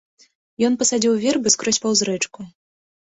Ён пасадзіў вербы скрозь паўз рэчку.